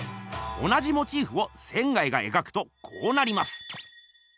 同じモチーフを仙がえがくとこうなります。